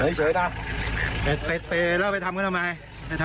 ไม่มีแล้วไปทำกันทำไมอ่ะ